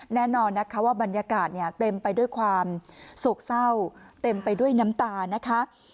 แน่นอนนะคะว่าบรรยากาศเนี่ยเต็มไปด้วยความโศกเศร้าเต็มไปด้วยน้ำตานะคะ